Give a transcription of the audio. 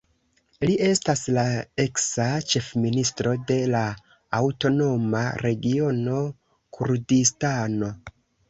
Li estas la eksa ĉefministro de la Aŭtonoma Regiono Kurdistano.